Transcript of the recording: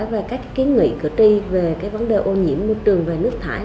và các ý kiến nghị cử tri về vấn đề ô nhiễm môi trường và nước thải